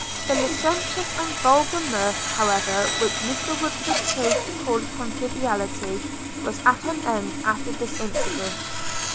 The licentious and vulgar mirth, however, which Mr Woodford chose to call conviviality, was at an end after this incident.